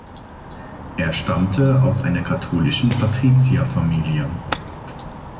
Er stammte aus einer katholischen Patrizierfamilie.